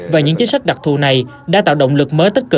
và những chính sách đặc thù này đã tạo động lực mới tất cả các dự thảo